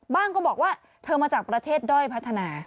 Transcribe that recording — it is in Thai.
ก็บอกว่าเธอมาจากประเทศด้อยพัฒนา